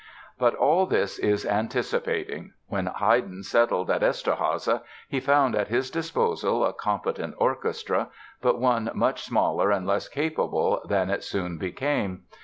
But all this is anticipating. When Haydn settled at Eszterháza he found at his disposal a competent orchestra, but one much smaller and less capable than it soon became.